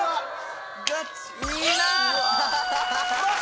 いいなぁ！